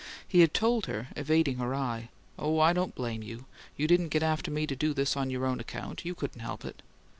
He had told her, evading her eye, "Oh, I don't blame you. You didn't get after me to do this on your own account; you couldn't help it."